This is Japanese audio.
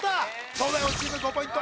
東大王チーム５ポイント